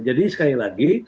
jadi sekali lagi